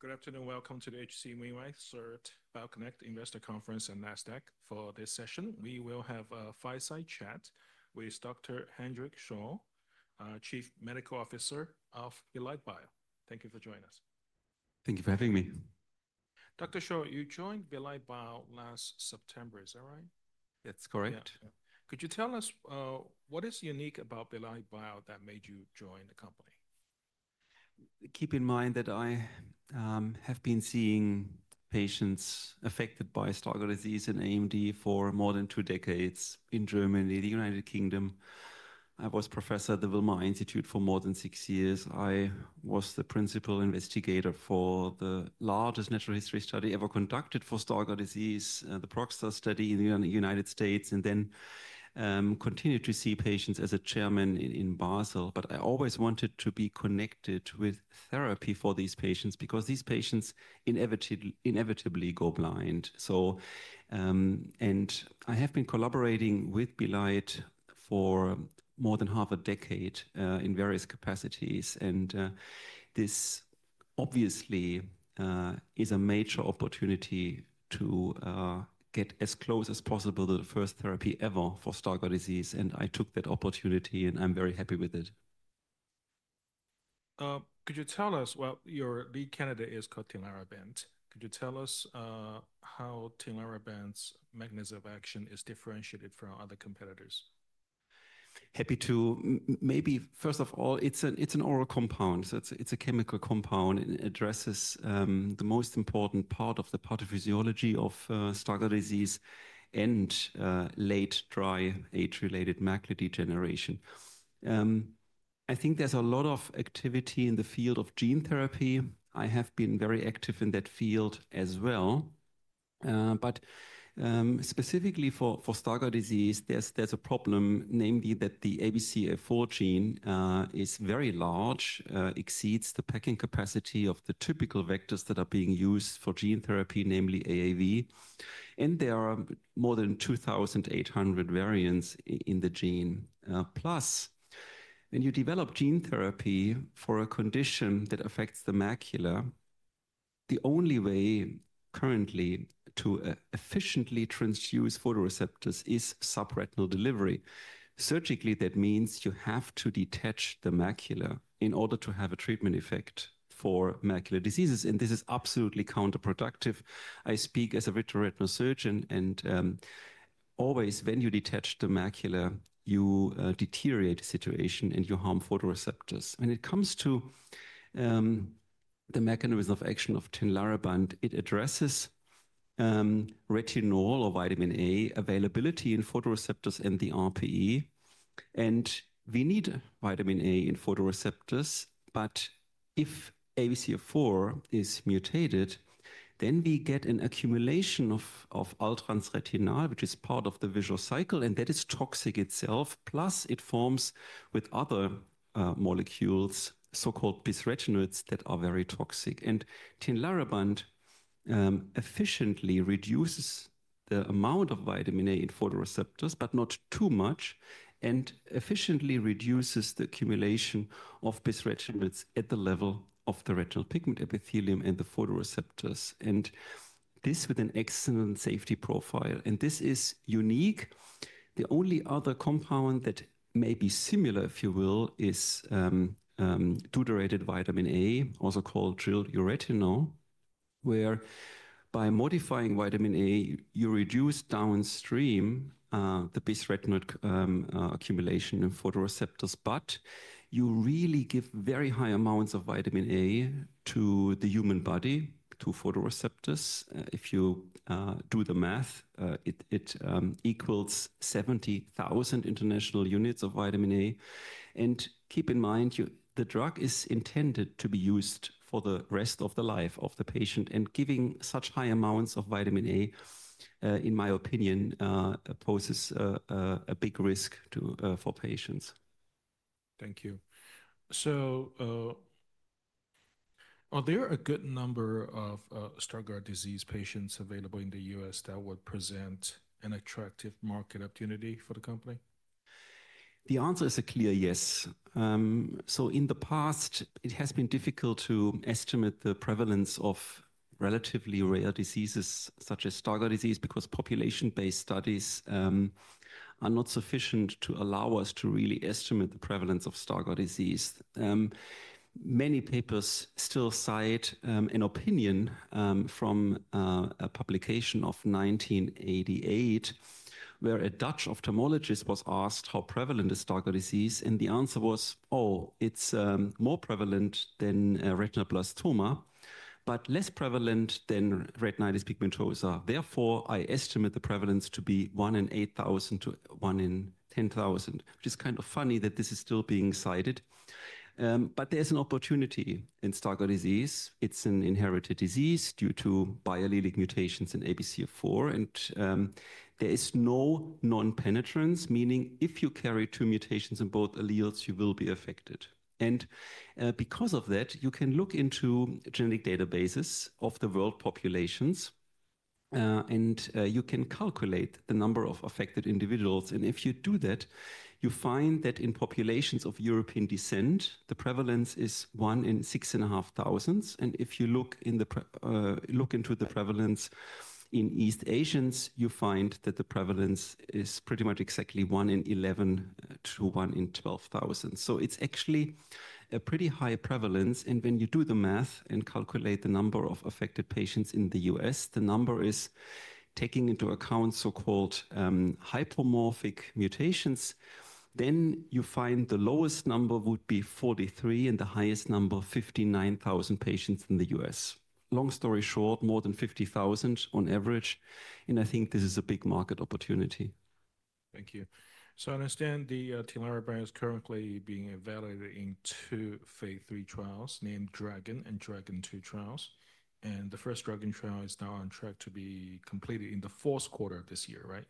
Good afternoon. Welcome to the H.C. Wainwright BioConnect Investor Conference and NASDAQ. For this session, we will have a fireside chat with Dr. Hendrik Scholl, Chief Medical Officer of Belite Bio. Thank you for joining us. Thank you for having me. Dr. Scholl, you joined Belite Bio last September. Is that right? That's correct. Could you tell us what is unique about Belite Bio that made you join the company? Keep in mind that I have been seeing patients affected by Stargardt disease and AMD for more than two decades in Germany, the United Kingdom. I was Professor at the Wilmer Institute for more than six years. I was the principal investigator for the largest natural history study ever conducted for Stargardt disease, the ProgStar study in the United States, and then continued to see patients as a chairman in Basel. I always wanted to be connected with therapy for these patients because these patients inevitably go blind. I have been collaborating with Belite Bio for more than half a decade in various capacities, and this obviously is a major opportunity to get as close as possible to the first therapy ever for Stargardt disease. I took that opportunity, and I'm very happy with it. Could you tell us, your lead candidate is Tinlarebant. Could you tell us how Tinlarebant's mechanism of action is differentiated from other competitors? Happy to. Maybe first of all, it's an oral compound. It's a chemical compound. It addresses the most important part of the pathophysiology of Stargardt disease and late dry age-related macular degeneration. I think there's a lot of activity in the field of gene therapy. I have been very active in that field as well. Specifically for Stargardt disease, there's a problem, namely that the ABCA4 gene is very large, exceeds the packing capacity of the typical vectors that are being used for gene therapy, namely AAV. There are more than 2,800 variants in the gene. Plus, when you develop gene therapy for a condition that affects the macula, the only way currently to efficiently transfuse photoreceptors is subretinal delivery. Surgically, that means you have to detach the macula in order to have a treatment effect for macular diseases. This is absolutely counterproductive. I speak as a vitreoretinal surgeon, and always when you detach the macula, you deteriorate the situation and you harm photoreceptors. When it comes to the mechanism of action of Tinlarebant, it addresses retinol or vitamin A availability in photoreceptors and the RPE. We need vitamin A in photoreceptors. If ABCA4 is mutated, then we get an accumulation of ultrasensory retinal, which is part of the visual cycle, and that is toxic itself. Plus, it forms with other molecules, so-called bisretinoids, that are very toxic. Tinlarebant efficiently reduces the amount of vitamin A in photoreceptors, but not too much, and efficiently reduces the accumulation of bisretinoids at the level of the retinal pigment epithelium and the photoreceptors. This is with an excellent safety profile. This is unique. The only other compound that may be similar, if you will, is deuterated vitamin A, also called Gildeuretinol, where by modifying vitamin A, you reduce downstream the bisretinoid accumulation in photoreceptors. You really give very high amounts of vitamin A to the human body, to photoreceptors. If you do the math, it equals 70,000 international units of vitamin A. Keep in mind, the drug is intended to be used for the rest of the life of the patient. Giving such high amounts of vitamin A, in my opinion, poses a big risk for patients. Thank you. Are there a good number of Stargardt disease patients available in the U.S. that would present an attractive market opportunity for the company? The answer is a clear yes. In the past, it has been difficult to estimate the prevalence of relatively rare diseases such as Stargardt disease because population-based studies are not sufficient to allow us to really estimate the prevalence of Stargardt disease. Many papers still cite an opinion from a publication of 1988 where a Dutch ophthalmologist was asked how prevalent is Stargardt disease. The answer was, oh, it's more prevalent than retinoblastoma, but less prevalent than retinitis pigmentosa. Therefore, I estimate the prevalence to be one in 8,000 to one in 10,000, which is kind of funny that this is still being cited. There is an opportunity in Stargardt disease. It's an inherited disease due to biallelic mutations in ABCA4. There is no non-penetrance, meaning if you carry two mutations in both alleles, you will be affected. Because of that, you can look into genetic databases of the world populations, and you can calculate the number of affected individuals. If you do that, you find that in populations of European descent, the prevalence is one in 6,500. If you look into the prevalence in East Asians, you find that the prevalence is pretty much exactly one in 11,000 to one in 12,000. It is actually a pretty high prevalence. When you do the math and calculate the number of affected patients in the U.S., the number is, taking into account so-called hypomorphic mutations, then you find the lowest number would be 43,000 and the highest number 59,000 patients in the U.S. Long story short, more than 50,000 on average. I think this is a big market opportunity. Thank you. I understand the Tinlarebant is currently being evaluated in two phase III trials named DRAGON and DRAGON II trials. The first DRAGON trial is now on track to be completed in the fourth quarter of this year, right?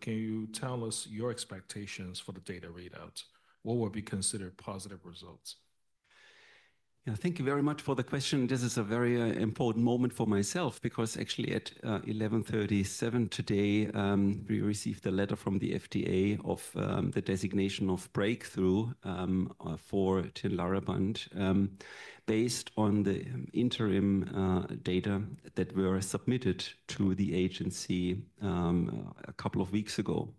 Can you tell us your expectations for the data readout? What would be considered positive results? Yeah, thank you very much for the question. This is a very important moment for myself because actually at 11:37 today, we received a letter from the FDA of the designation of breakthrough for Tinlarebant based on the interim data that were submitted to the agency a couple of weeks ago.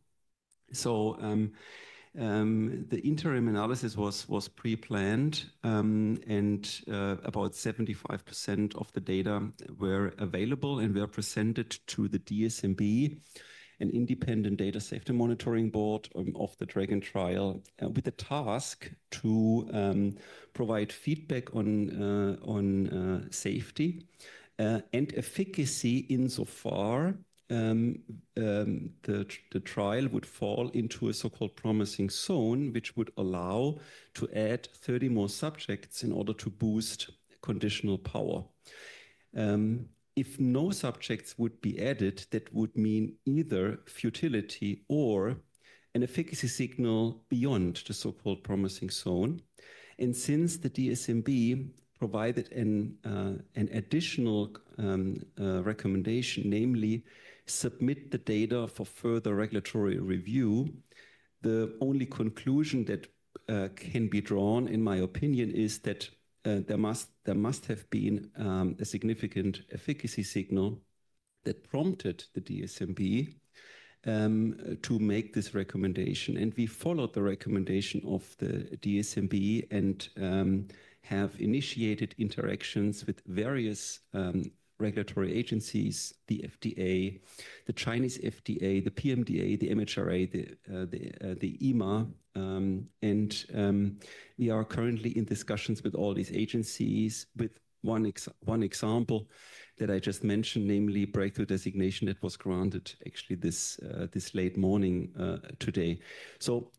The interim analysis was pre-planned, and about 75% of the data were available and were presented to the DSMB, an independent data safety monitoring board of the DRAGON trial, with a task to provide feedback on safety and efficacy insofar as the trial would fall into a so-called promising zone, which would allow to add 30 more subjects in order to boost conditional power. If no subjects would be added, that would mean either futility or an efficacy signal beyond the so-called promising zone. Since the DSMB provided an additional recommendation, namely submit the data for further regulatory review, the only conclusion that can be drawn, in my opinion, is that there must have been a significant efficacy signal that prompted the DSMB to make this recommendation. We followed the recommendation of the DSMB and have initiated interactions with various regulatory agencies, the FDA, the Chinese FDA, the PMDA, the MHRA, the EMA. We are currently in discussions with all these agencies, with one example that I just mentioned, namely breakthrough designation that was granted actually this late morning today.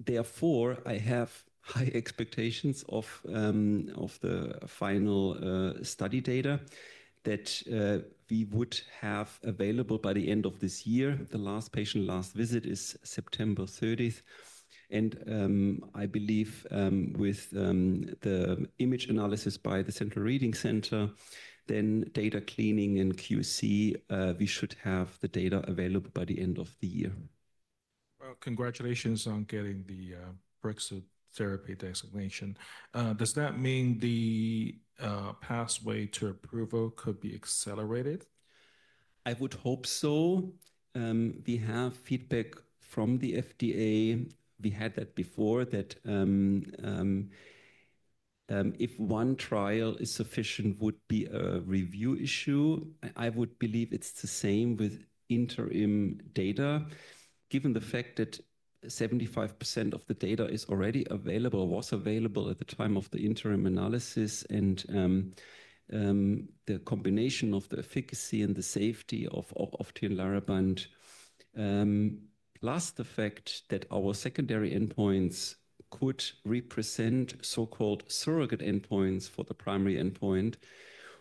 Therefore, I have high expectations of the final study data that we would have available by the end of this year. The last patient, last visit is September 30th. I believe with the image analysis by the Central Reading Center, then data cleaning and QC, we should have the data available by the end of the year. Congratulations on getting the breakthrough therapy designation. Does that mean the pathway to approval could be accelerated? I would hope so. We have feedback from the FDA. We had that before that if one trial is sufficient would be a review issue. I would believe it's the same with interim data, given the fact that 75% of the data is already available, was available at the time of the interim analysis. The combination of the efficacy and the safety of Tinlarebant plus the fact that our secondary endpoints could represent so-called surrogate endpoints for the primary endpoint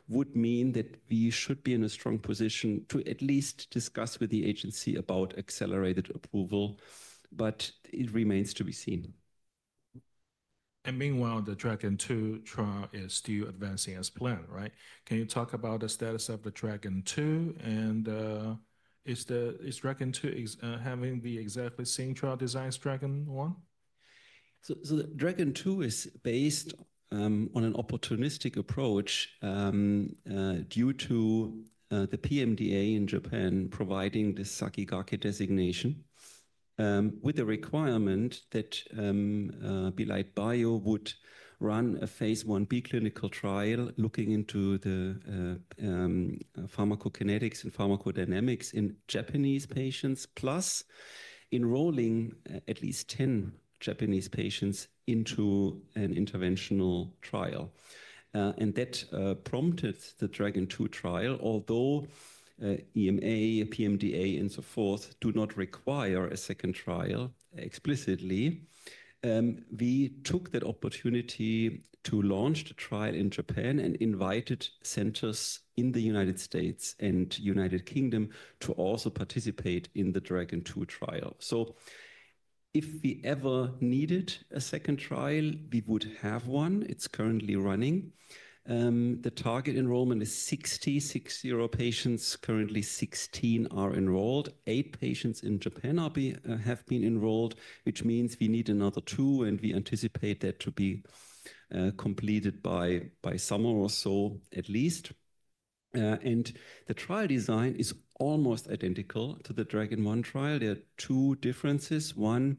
would mean that we should be in a strong position to at least discuss with the agency about accelerated approval. It remains to be seen. Meanwhile, the DRAGON II trial is still advancing as planned, right? Can you talk about the status of the DRAGON II? And is DRAGON II having the exactly same trial design as DRAGON I? DRAGON II is based on an opportunistic approach due to the PMDA in Japan providing the SAKIGAKE Designation with the requirement that Belite Bio would run a phase Ib clinical trial looking into the pharmacokinetics and pharmacodynamics in Japanese patients, plus enrolling at least 10 Japanese patients into an interventional trial. That prompted the DRAGON II trial. Although EMA, PMDA, and so forth do not require a second trial explicitly, we took that opportunity to launch the trial in Japan and invited centers in the United States and United Kingdom to also participate in the DRAGON II trial. If we ever needed a second trial, we would have one. It is currently running. The target enrollment is 60 patients. Currently, 16 are enrolled. Eight patients in Japan have been enrolled, which means we need another two, and we anticipate that to be completed by summer or so at least. The trial design is almost identical to the DRAGON I trial. There are two differences. One,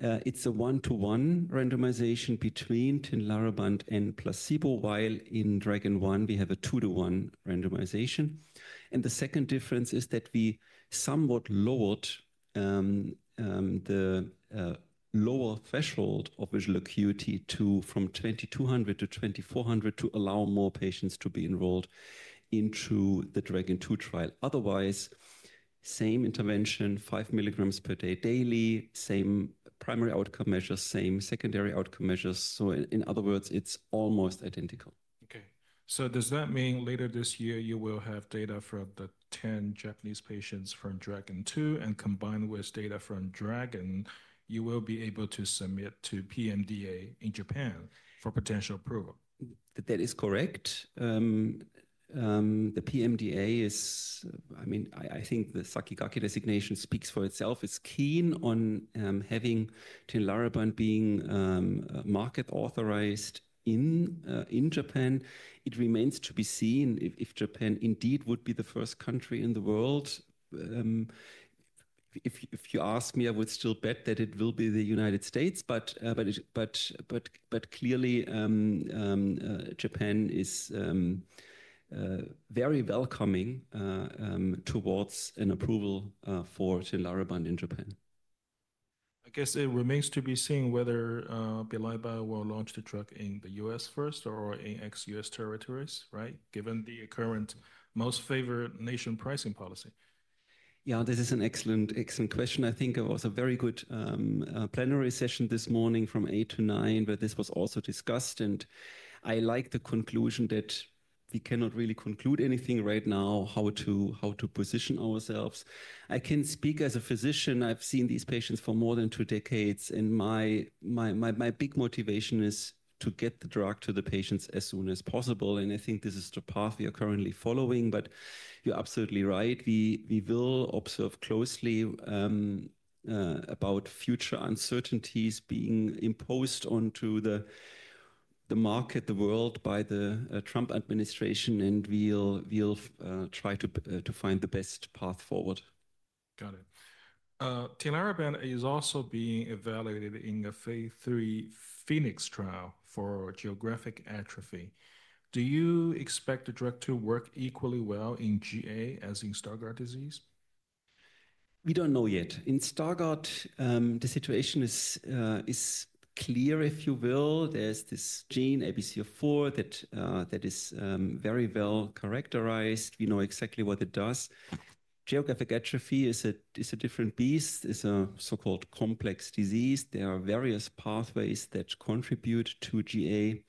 it's a one-to-one randomization between Tinlarebant and placebo, while in DRAGON I, we have a two-to-one randomization. The second difference is that we somewhat lowered the lower threshold of visual acuity from 2,200-2,400 to allow more patients to be enrolled into the DRAGON II trial. Otherwise, same intervention, 5 mg per day daily, same primary outcome measures, same secondary outcome measures. In other words, it's almost identical. Okay. Does that mean later this year, you will have data from the 10 Japanese patients from DRAGON II and combined with data from DRAGON, you will be able to submit to PMDA in Japan for potential approval? That is correct. The PMDA is, I mean, I think the SAKIGAKE Designation speaks for itself. It's keen on having Tinlarebant being market authorized in Japan. It remains to be seen if Japan indeed would be the first country in the world. If you ask me, I would still bet that it will be the United States. Clearly, Japan is very welcoming towards an approval for Tinlarebant in Japan. I guess it remains to be seen whether Belite Bio will launch the drug in the U.S. first or in ex-U.S. territories, right, given the current most favored nation pricing policy. Yeah, this is an excellent, excellent question. I think it was a very good plenary session this morning from 8:00-9:00, where this was also discussed. I like the conclusion that we cannot really conclude anything right now, how to position ourselves. I can speak as a physician. I've seen these patients for more than two decades. My big motivation is to get the drug to the patients as soon as possible. I think this is the path we are currently following. You're absolutely right. We will observe closely about future uncertainties being imposed onto the market, the world by the Trump administration. We'll try to find the best path forward. Got it. Tinlarebant is also being evaluated in a phase III PHOENIX trial for geographic atrophy. Do you expect the drug to work equally well in GA as in Stargardt disease? We don't know yet. In Stargardt, the situation is clear, if you will. There's this gene, ABCA4, that is very well characterized. We know exactly what it does. Geographic atrophy is a different beast. It's a so-called complex disease. There are various pathways that contribute to GA.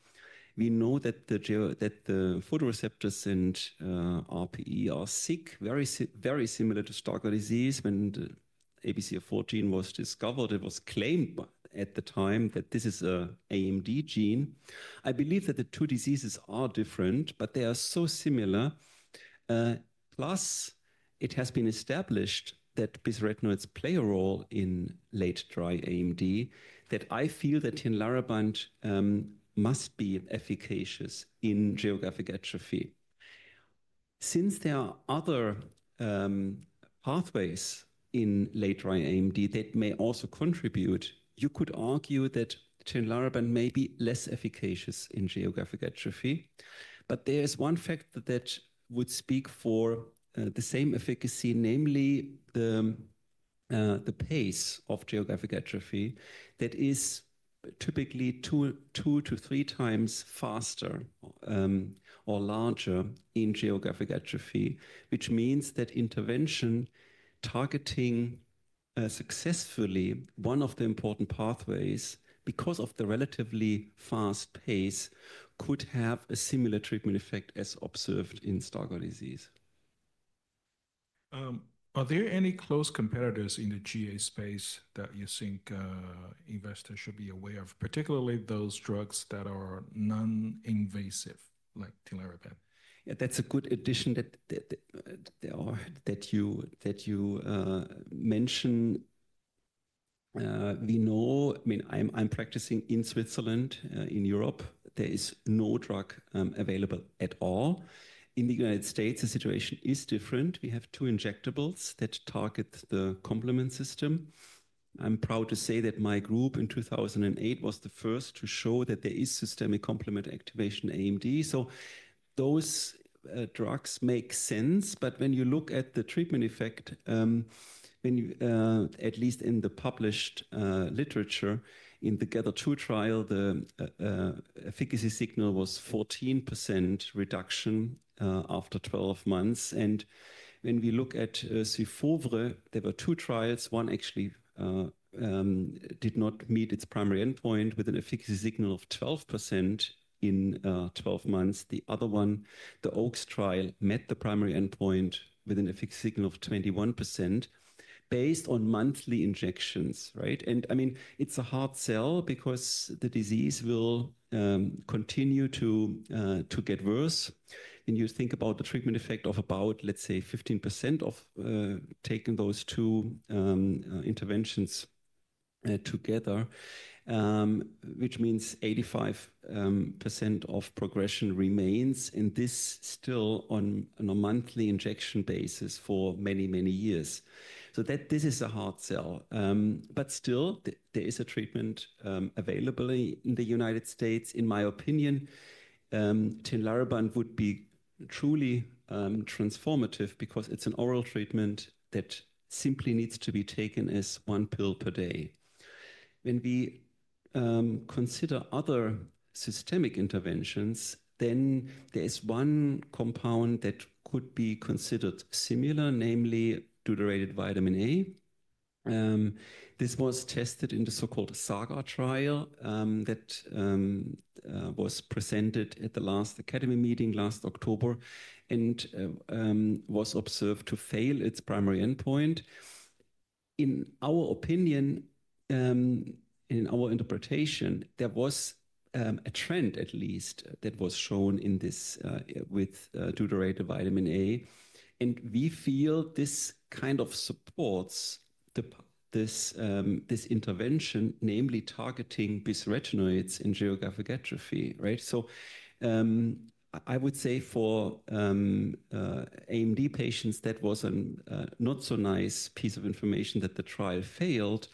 We know that the photoreceptors and RPE are sick, very similar to Stargardt disease. When ABCA4 gene was discovered, it was claimed at the time that this is an AMD gene. I believe that the two diseases are different, but they are so similar. Plus, it has been established that bisretinoids play a role in late dry AMD that I feel that Tinlarebant must be efficacious in geographic atrophy. Since there are other pathways in late dry AMD that may also contribute, you could argue that Tinlarebant may be less efficacious in geographic atrophy. There is one fact that would speak for the same efficacy, namely the pace of geographic atrophy that is typically 2x-3x faster or larger in geographic atrophy, which means that intervention targeting successfully one of the important pathways because of the relatively fast pace could have a similar treatment effect as observed in Stargardt disease. Are there any close competitors in the GA space that you think investors should be aware of, particularly those drugs that are non-invasive like Tinlarebant? Yeah, that's a good addition that you mentioned. We know, I mean, I'm practicing in Switzerland, in Europe. There is no drug available at all. In the U.S., the situation is different. We have two injectables that target the complement system. I'm proud to say that my group in 2008 was the first to show that there is systemic complement activation in AMD. Those drugs make sense. When you look at the treatment effect, at least in the published literature, in the GATHER2 trial, the efficacy signal was 14% reduction after 12 months. When we look at Syfovre, there were two trials. One actually did not meet its primary endpoint with an efficacy signal of 12% in 12 months. The other one, the OAKS trial, met the primary endpoint with an efficacy signal of 21% based on monthly injections, right? I mean, it's a hard sell because the disease will continue to get worse. You think about the treatment effect of about, let's say, 15% of taking those two interventions together, which means 85% of progression remains. This is still on a monthly injection basis for many, many years. This is a hard sell. There is a treatment available in the United States. In my opinion, Tinlarebant would be truly transformative because it's an oral treatment that simply needs to be taken as one pill per day. When we consider other systemic interventions, there is one compound that could be considered similar, namely deuterated vitamin A. This was tested in the so-called SAGA trial that was presented at the last academy meeting last October and was observed to fail its primary endpoint. In our opinion, in our interpretation, there was a trend at least that was shown with deuterated vitamin A. And we feel this kind of supports this intervention, namely targeting bisretinoids in geographic atrophy, right? I would say for AMD patients, that was a not-so-nice piece of information that the trial failed.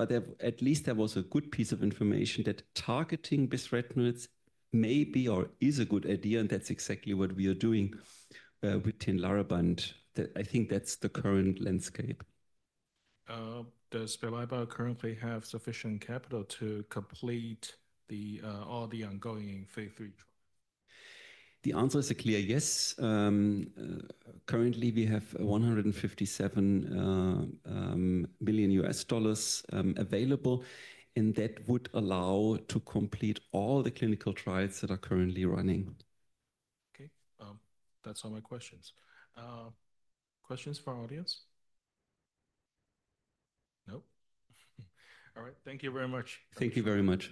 At least there was a good piece of information that targeting bisretinoids may be or is a good idea. That's exactly what we are doing with Tinlarebant. I think that's the current landscape. Does Belite Bio currently have sufficient capital to complete all the ongoing phase III trials? The answer is a clear yes. Currently, we have $157 million available. That would allow to complete all the clinical trials that are currently running. Okay. That's all my questions. Questions for our audience? Nope? All right. Thank you very much. Thank you very much.